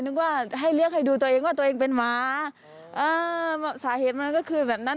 นึกว่าให้เลือกให้ดูตัวเองว่าตัวเองเป็นหมาเออสาเหตุมันก็คือแบบนั้น